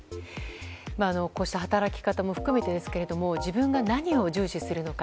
こうした働き方も含めてですが自分が何を重視するのか。